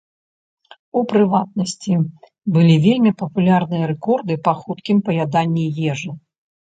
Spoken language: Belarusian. У прыватнасці, былі вельмі папулярныя рэкорды па хуткім паяданні ежы.